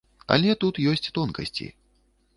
Але тут ёсць тонкасці.